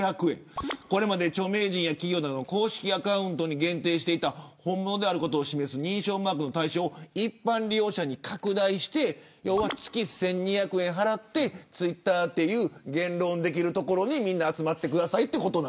これまで著名人や企業など公式アカウントに限定していた本物であることを示す認証マークの対象を一般利用者に拡大して月１２００円払ってツイッターという言論ができる所にみんな集まってくださいと。